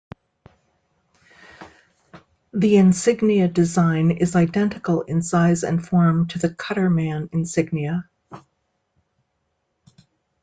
The insignia design is identical in size and form to the cutterman insignia.